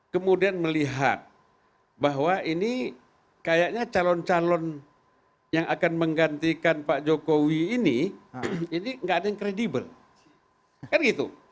kemudian melihat bahwa ini kayaknya calon calon yang akan menggantikan pak jokowi ini ini gak ada yang kredibel kan gitu